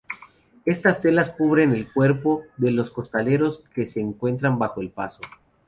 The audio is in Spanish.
Estas telas cubren el cuerpo de los costaleros que se encuentran bajo el paso.